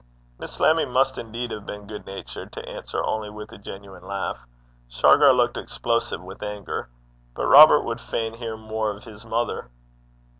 Miss Lammie must indeed have been good natured, to answer only with a genuine laugh. Shargar looked explosive with anger. But Robert would fain hear more of his mother.